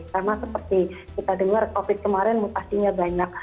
sama seperti kita dengar covid kemarin mutasinya banyak